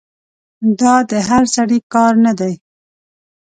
دا د هر سړي کار نه دی.